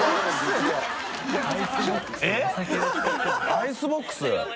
アイスボックス。